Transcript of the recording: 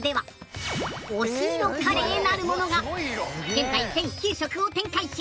現在全９色を展開中。